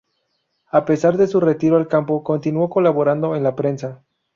A pesar de su retiro al campo, continuó colaborando en la prensa.